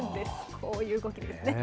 こういうことですね。